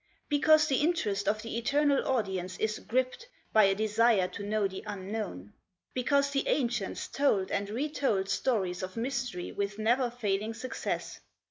Because the interest of the eternal audience is "gripped" by a desire to know the unknown. Because the ancients told and retold stories of mystery with never failing success.